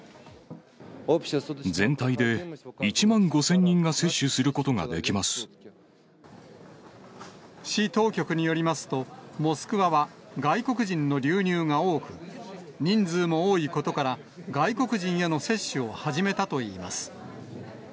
全体で１万５０００人が接種市当局によりますと、モスクワは外国人の流入が多く、人数も多いことから、外国人への接種を始めたといいます。